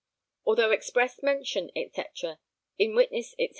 Although express mention etc. In witness etc.